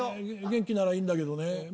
元気ならいいんだけどね。